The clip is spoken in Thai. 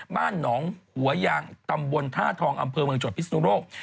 บ้านหนองหัวยางตำบลท่าทองอำเภอเมืองจดพิศนุโลก